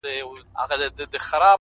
• د یار دیدن آب حیات دی,